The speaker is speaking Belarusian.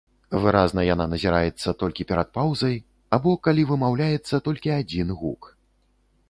Выразна яна назіраецца толькі перад паўзай або калі вымаўляецца толькі адзін гук.